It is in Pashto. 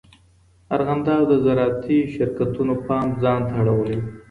ارغنداب د زراعتي شرکتونو پام ځان ته اړولی دی.